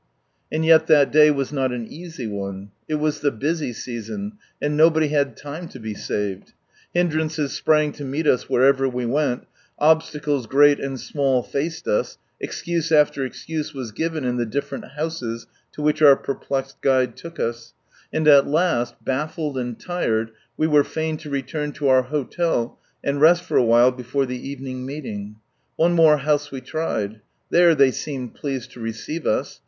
And yet that day was not an easy one. It was the busy season, and nobody had time lo be saved. Hindrances sprang to meet us wherever we wen!, obstacles 8o From Sunrise Land R greal and small faced us, excuse after excuse was given in the different houses to which our perplexed guide took us ; and at last, baffled and tired, we were fain to return to our hotel, and rest for awhile before the evening meeting. One more house we tried. There they seemed pleased to receive us.